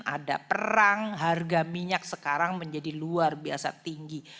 ada perang harga minyak sekarang menjadi luar biasa tinggi